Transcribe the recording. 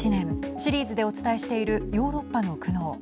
シリーズでお伝えしているヨーロッパの苦悩。